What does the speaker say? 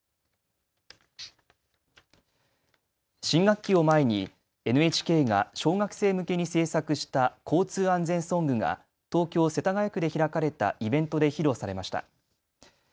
新学期を前にＮＨＫが小学生向けに制作した交通安全ソングが東京世田谷区で開かれたイベントで披露されました。